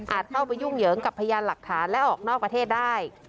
เข้าไปยุ่งเหยิงกับพยานหลักฐานและออกนอกประเทศได้